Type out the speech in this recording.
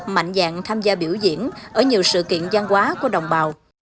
mạnh dạng tham gia biểu diễn ở nhiều sự kiện gian hóa của đồng bào